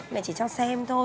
mẹ chỉ cho xem thôi